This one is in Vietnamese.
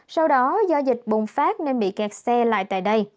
sau đó do dịch bùng phát nên bị kẹt xe lại tại đây